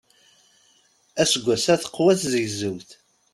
Aseggas-a teqwa tizegzewt.